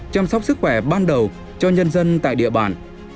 chăm sóc sức khỏe ban đầu cho nhân dân tại địa bàn